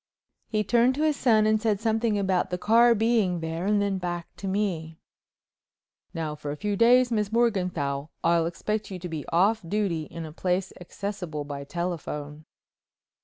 He turned to his son and said something about "the car being there," and then back to me: "Now for a few days, Miss Morganthau, I'll expect you to be off duty in a place accessible by telephone."